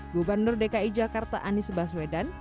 gubernur dki jakarta anies baswedan